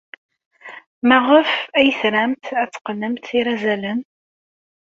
Maɣef ay tramt ad teqqnemt irazalen?